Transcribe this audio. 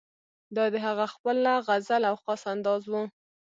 دا د هغه خپله غزل او خاص انداز وو.